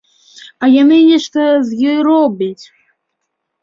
А яны нешта з ёй робяць!